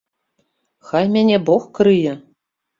Хай мяне бог крые!